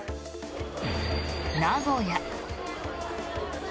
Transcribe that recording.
名古屋。